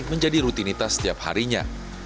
menjadi rutinitas setiap harinya